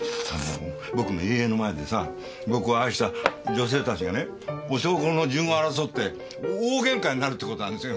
僕の遺影の前でさぁ僕を愛した女性たちがねお焼香の順を争って大喧嘩になるって事なんですよ。